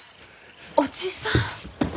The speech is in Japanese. おじさん。